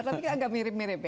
tapi agak mirip mirip ya